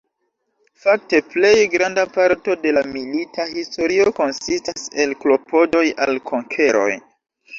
Fakte plej granda parto de la Milita historio konsistas el klopodoj al konkeroj.